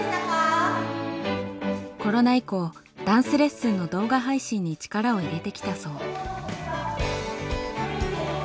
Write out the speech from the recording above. コロナ以降ダンスレッスンの動画配信に力を入れてきたそう。